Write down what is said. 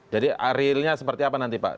jadi arilnya seperti apa nanti pak